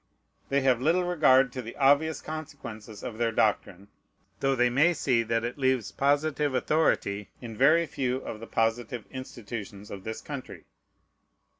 They have little regard to the obvious consequences of their doctrine, though they may see that it leaves positive authority in very few of the positive institutions of this country.